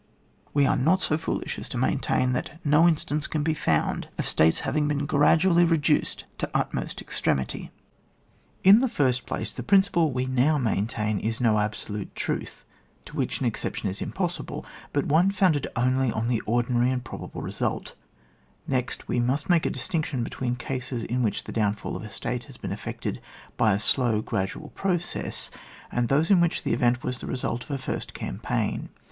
We are not so foolish as to maintain that no instaiH^e can be found of States 84 ON WAR. [book yiiL having been gradually reduoed to the ut most extremity. In the first place, the principle we now maint^iin is no absolute truth, to which an exception is impossi ble, but one founded omy on the ordi nary and probable result ; next, we must make a distinction between cases in which the downfall of a State has been effected by a slow gradual process, and those in which the event was the result of a first campaign.